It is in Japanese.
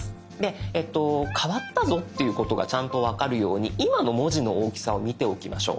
変わったぞということがちゃんと分かるように今の文字の大きさを見ておきましょう。